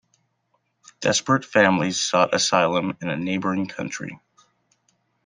Desperate families sought asylum in a neighboring country.